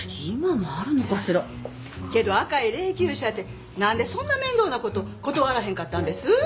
けど赤い霊きゅう車って何でそんな面倒なこと断らへんかったんです？